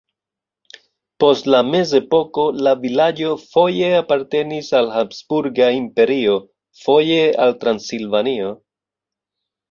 Post la mezepoko la vilaĝo foje apartenis al Habsburga Imperio, foje al Transilvanio.